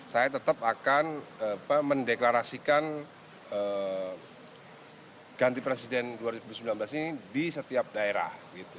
saya tetap akan mendeklarasikan ganti presiden dua ribu sembilan belas ini di setiap daerah